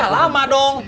ya lama dong